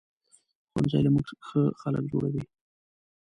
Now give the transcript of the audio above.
ښوونځی له مونږ ښه خلک جوړوي